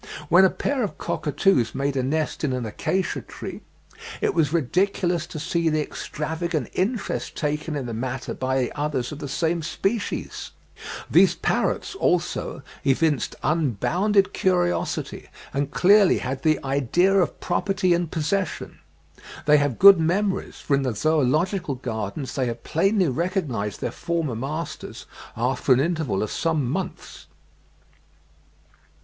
When a pair of cockatoos made a nest in an acacia tree, "it was ridiculous to see the extravagant interest taken in the matter by the others of the same species." These parrots, also, evinced unbounded curiosity, and clearly had "the idea of property and possession." (12. 'Acclimatization of Parrots,' by C. Buxton, M.P., 'Annals and Mag. of Nat. Hist.' Nov. 1868, p. 381.) They have good memories, for in the Zoological Gardens they have plainly recognised their former masters after an interval of some months.